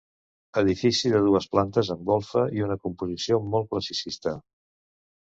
Edifici de dues plantes amb golfa i una composició molt classicista.